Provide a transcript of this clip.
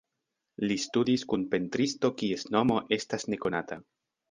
Li studis kun pentristo kies nomo estas nekonata.